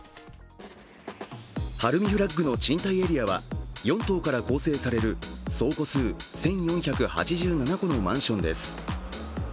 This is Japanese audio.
ＨＡＲＵＭＩＦＬＡＧの賃貸エリアは４棟から構成される総戸数１４８７戸のマンションです。